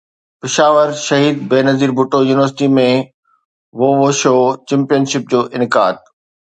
Peshawar Shaheed Benazir Bhutto university ۾ wushu championship جو انعقاد